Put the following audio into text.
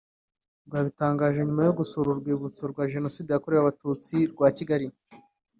rwabitangaje nyuma yo gusura Urwibutso rwa Jenoside yakorewe abatutsi rwa Kigali